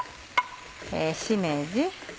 しめじ。